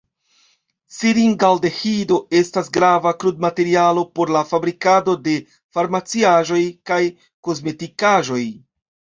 Siringaldehido estas grava krudmaterialo por la fabrikado de farmaciaĵoj kaj kosmetikaĵoj.